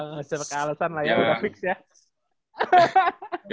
gak usah pake alasan lah ya udah fix ya